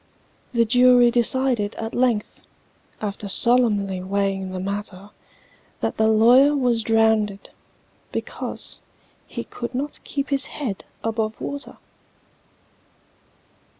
The jury decided at length, After solemnly weighing the matter, That the lawyer was drownded, because He could not keep his head above water!